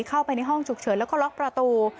เข้าไปในห้องฉุกเฉินแล้วก็ล็อกประตู